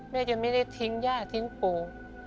แม่จะไม่ได้ทิ้งย่าทิ้งปู่